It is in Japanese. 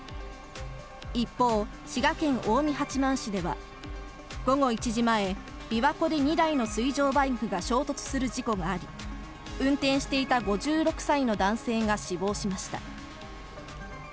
一方、滋賀県近江八幡市では、午後１時前、琵琶湖で２台の水上バイクが衝突する事故があり、運転していた５６歳の男性が死亡しました。